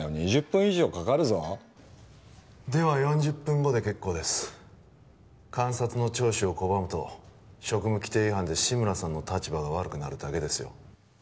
２０分以上かかるぞでは４０分後で結構です監察の聴取を拒むと職務規程違反で志村さんの立場が悪くなるだけですよ